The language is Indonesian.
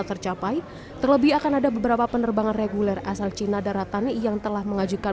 tercapai terlebih akan ada beberapa penerbangan reguler asal cina daratan yang telah mengajukan